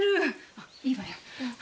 あっいいわよ。